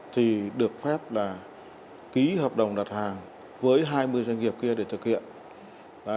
thì được phép là ký hợp đồng đặt hàng với hai mươi doanh nghiệp kia để thực hiện